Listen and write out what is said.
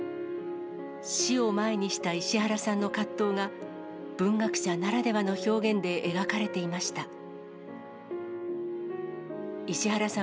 死を前にした石原さんの葛藤が、文学者ならではの表現で描かれていました。